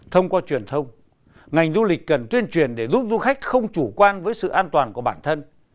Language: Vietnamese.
thông qua truyền thông ngành du lịch cần tuyên truyền để giúp du khách không chủ quan với sự an toàn của bản thân